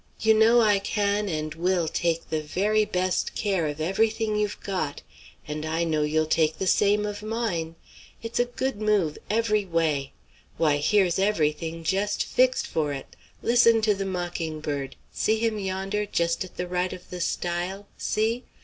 You know I can, and will take the very best care of every thing you've got; and I know you'll take the same of mine. It's a good move, every way. Why, here's every thing just fixed for it! Listen to the mocking bird! See him yonder, just at the right of the stile. See!